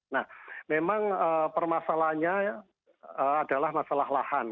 nah memang permasalahannya adalah masalah lahan